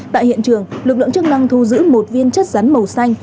tại hiện trường lực lượng chức năng thu giữ một viên chất rắn màu xanh